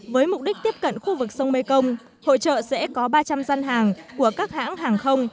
với mục đích tiếp cận khu vực sông mekong hội trợ sẽ có ba trăm linh gian hàng của các hãng hàng không